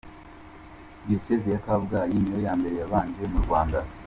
Diocese ya Kabgayi niyo ya mbere yabanje mu Rwanda.